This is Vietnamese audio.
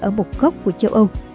ở một góc của châu âu